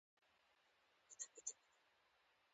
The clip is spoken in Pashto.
ما ورته وویل: اتریشیانو وګټل، دوی د سان ګبرېل کلکه دفاع وکړه.